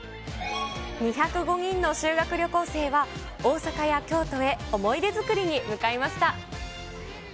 ２０５人の修学旅行生は、大阪や京都へ思い出作りに向かいました。